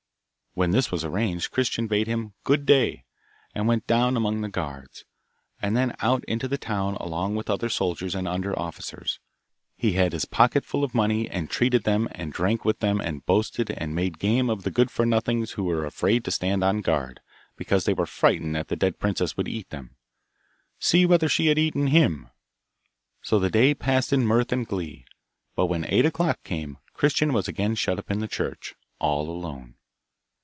When this was arranged, Christian bade him 'Good day,' and went down among the guards, and then out into the town along with other soldiers and under officers. He had his pocket full of money, and treated them, and drank with them and boasted and made game of the good for nothings who were afraid to stand on guard, because they were frightened that the dead princess would eat them. See whether she had eaten him! So the day passed in mirth and glee, but when eight o'clock came, Christian was again shut up in the church, all alone.